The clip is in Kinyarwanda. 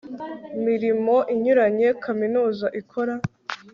mirimo inyuranye Kaminuza ikora